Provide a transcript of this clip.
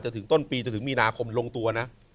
ถึงต้นปีจนถึงมีนาคมลงตัวนะ